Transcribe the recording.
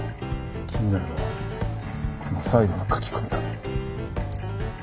気になるのはこの最後の書き込みだ。